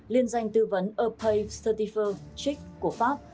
liên danh tư vấn apei certified check của pháp